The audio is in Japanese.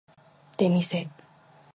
出店